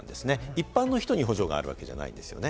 一般の人に補助があるわけではないですね。